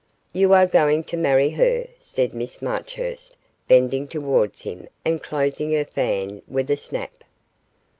'You are going to marry her,' said Miss Marchurst, bending towards him and closing her fan with a snap.